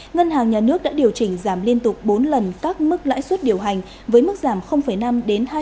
ngân hàng nhà nước đã điều chỉnh giảm liên tục bốn lần các mức lãi suất điều hành với mức giảm năm hai một năm